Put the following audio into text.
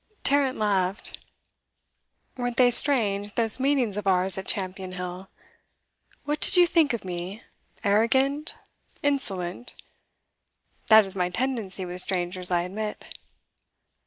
Tarrant laughed. 'Weren't they strange those meetings of ours at Champion Hill? What did you think me? Arrogant? Insolent? That is my tendency with strangers, I admit.